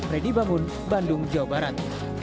reddy bangun bandung jawa barat